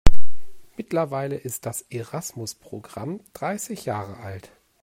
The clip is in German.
Mittlerweile ist das Erasmus-Programm dreißig Jahre alt.